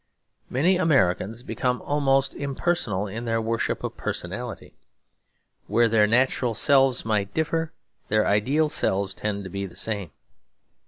Many Americans become almost impersonal in their worship of personality. Where their natural selves might differ, their ideal selves tend to be the same.